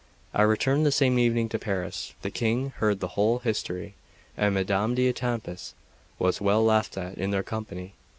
I returned the same evening to Paris. The King heard the whole history, and Madame d'Etampes was well laughed at in their company.